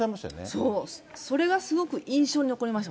そう、それがすごく印象に残りました、